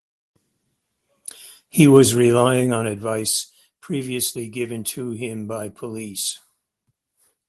He was relying on advice previously given to him by police.